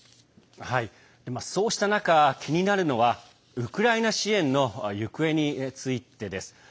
そうした中、気になるのはウクライナ支援の行方についてです。